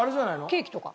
ケーキとか。